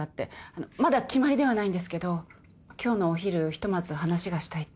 まだ決まりではないんですけど今日のお昼ひとまず話がしたいって。